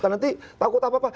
nanti takut apa apa